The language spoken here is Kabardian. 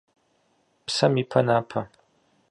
Псэм ипэ напэ.